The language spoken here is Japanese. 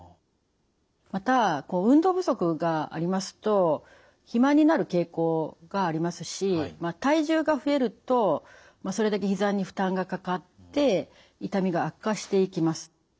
また運動不足がありますと暇になる傾向がありますし体重が増えるとそれだけひざに負担がかかって痛みが悪化していきます。